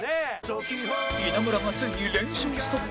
稲村がついに連勝ストップ